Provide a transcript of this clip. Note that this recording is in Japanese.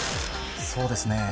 そうですね